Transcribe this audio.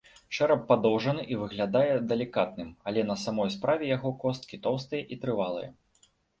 Чэрап падоўжаны і выглядае далікатным, але на самой справе яго косткі тоўстыя і трывалыя.